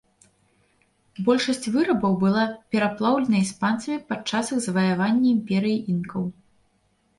Большасць вырабаў была пераплаўлена іспанцамі падчас іх заваявання імперыі інкаў.